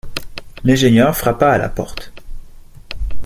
L’ingénieur frappa à la porte